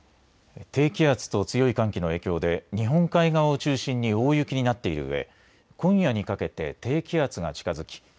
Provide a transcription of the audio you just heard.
低気圧と強い寒気の影響で日本海側を中心に大雪になっているうえ、今夜にかけて低気圧が近づき